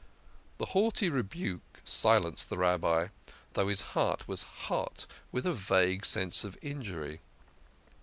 The haughty rebuke silenced the Rabbi, though his heart was hot with a vague sense of injury.